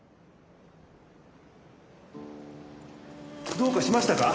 どうかしましたか？